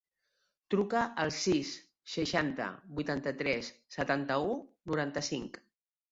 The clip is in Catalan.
Truca al sis, seixanta, vuitanta-tres, setanta-u, noranta-cinc.